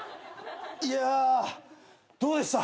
いやどうでした？